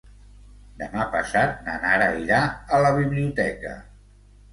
Demà passat na Nara irà a la biblioteca.